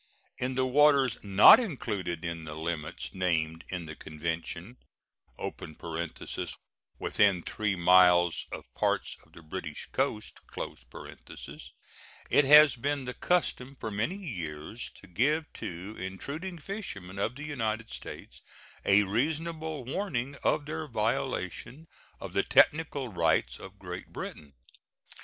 In the waters not included in the limits named in the convention (within 3 miles of parts of the British coast) it has been the custom for many years to give to intruding fishermen of the United States a reasonable warning of their violation of the technical rights of Great Britain.